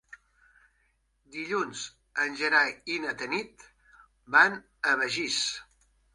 Dilluns en Gerai i na Tanit van a Begís.